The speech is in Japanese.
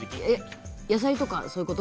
野菜とかそういうこと？